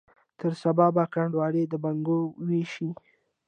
تر سبا به کنډولي د بنګو ویشي